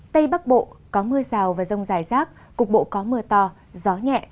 tây bắc bộ có mưa rào và rông dài xác cục bộ có mưa tỏ gió nhẹ